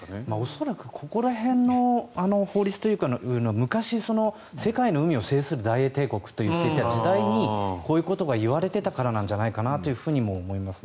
恐らくここら辺の法律というのは昔、世界の海を制する大英帝国と言っていた時代にこういうことが言われていたからなんじゃないかなと思います。